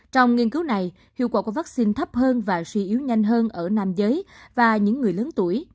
trong nghiên cứu này hiệu quả của vaccine thấp hơn và suy yếu nhanh hơn ở nam giới và những người lớn tuổi